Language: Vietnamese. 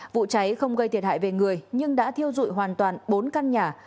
vụ cháy không gây thiệt hại về người nhưng đã thiêu dụi hoàn toàn bốn căn nhà